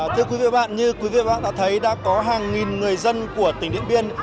thưa quý vị bạn như quý vị bạn đã thấy đã có hàng nghìn người dân của tỉnh điện biên